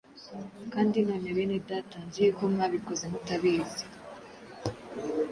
Kandi none bene Data, nzi yuko mwabikoze mutabizi,